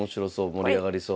盛り上がりそう。